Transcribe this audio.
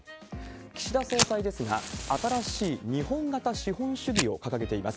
岸田総裁ですが、新しい日本型資本主義を掲げています。